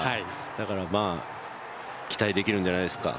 だから期待できるんじゃないでしょうか。